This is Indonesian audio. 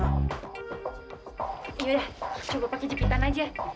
yaudah coba pakai jepitan aja